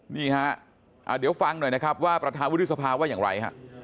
นี่ฮะเดี๋ยวฟังหน่อยนะครับว่าประธานวุฒิสภาว่าอย่างไรฮะ